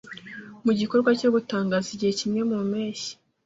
mu gikorwa cyo gutangaza Igihe kimwe mu mpeshyi